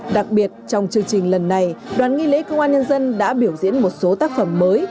đặc biệt trong chương trình lần này đoàn nghi lễ công an nhân dân đã biểu diễn một số tác phẩm mới